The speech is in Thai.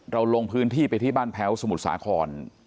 ลงพื้นที่ไปที่บ้านแพ้วสมุทรสาคร